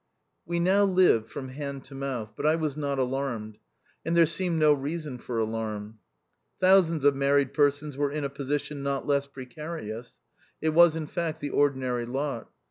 We now lived from hand to mouth, but I was not alarmed ; and there seemed no reason for alarm. Thousands of mar ried persons were in a position not less precarious ; it was, in fact, the ordinary lot.